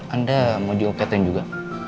anda mau jemuk catherine juga